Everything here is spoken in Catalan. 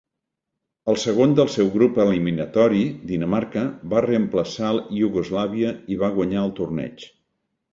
El segon del seu grup eliminatori, Dinamarca, va reemplaçar Iugoslàvia i va guanyar el torneig.